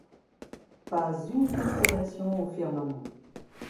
Pas une constellation au firmament.